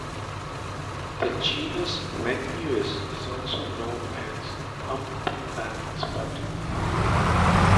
The genus "Menneus" is also known as "humped-back spider".